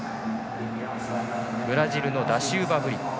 ブラジルのダシウバブリット。